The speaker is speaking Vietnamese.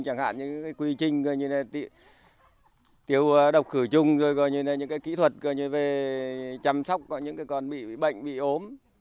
chẳng hạn những cái quy trình gọi như là tiêu độc khử chung rồi gọi như là những cái kỹ thuật gọi như là về chăm sóc những cái con bị bệnh bị ốm